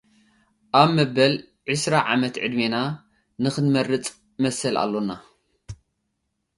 ኣብ መበል ዕስራ ዓመት ዕድሜና ንኽንመርጽ መሰል ኣሎና።